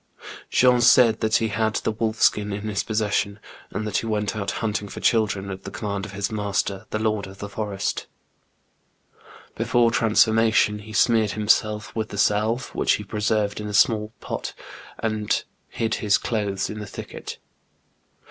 Jean said that he had the wolf skin in his posses sion, and that he went out hunting for children, at the command of his master, the Lord of the Forest. Before 94 THE BOOK OF WERB WOLVES. transformation he smeared himself with the salYe, which he preserved in a small pot, and hid his clothes in the thicket.